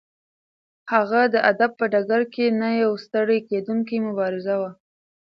هغه د ادب په ډګر کې یو نه ستړی کېدونکی مبارز و.